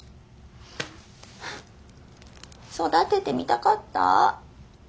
はあ育ててみたかった。